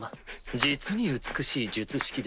実に美しい術式でした。